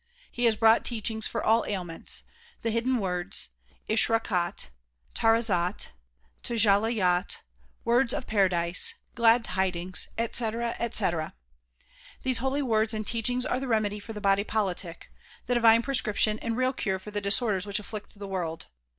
He has brought teachings for all ailments, the Hidden Words, Ishrakhat, Tarazat, Tajalleyat, Words of Paradise, Glad Tidings, etc., etc. These holy words and teachings are the remedy for the body politic, the divine prescription and real cure for the disorders which afflict the world.